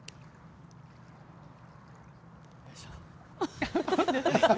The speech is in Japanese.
よいしょ。